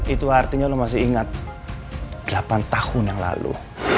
itu artinya lo masih ingat delapan tahun yang lalu